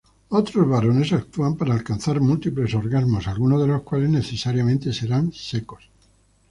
Otros varones actúan para alcanzar múltiples orgasmos, algunos de los cuales, necesariamente, serán secos.